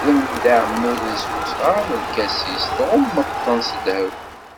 Xdem-d iɛmuden s wesɣar n lkasis tɣummeḍ-ten s ddheb.